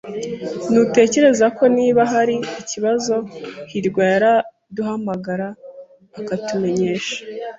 Ntutekereza ko niba hari ikibazo, hirwa yaraduhamagara akatumenyesha?